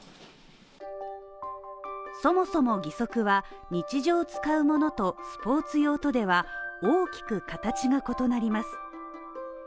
そもそも義足は日常使うものとスポーツ用とでは大きく形が異なります